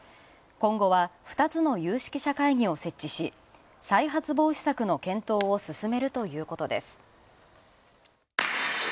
今後は２つの有識者会議を設置し再発防止策の検討を進めるということです。